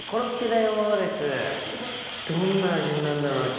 どんな味になんだろうな？